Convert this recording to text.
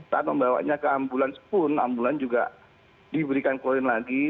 saat membawanya ke ambulans pun ambulans juga diberikan kloin lagi